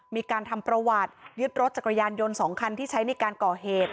มีการทำประวัติยึดรถจักรยานยนต์๒คันที่ใช้ในการก่อเหตุ